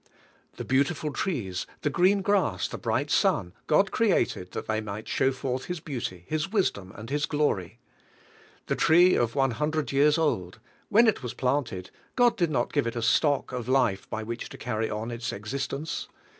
The beautiful trees, the green grass, the bright sun, God created that they might show forth His beauty. His wisdom and His glory. The tree of one hundred years old — when it was planted God did not give it a stock of life by which to carry on its existence.